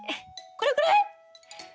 これくらい？